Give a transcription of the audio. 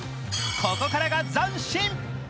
ここからが斬新！